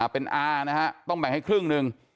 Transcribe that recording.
เป็นอานะฮะต้องแบ่งให้ครึ่งหนึ่ง